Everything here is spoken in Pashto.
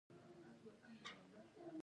آزاد تجارت مهم دی ځکه چې نړۍ سره نږدې کوي.